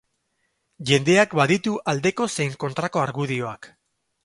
Jendeak baditu aldeko zein kontrako argudioak.